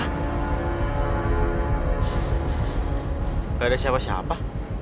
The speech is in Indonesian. nggak ada siapa siapa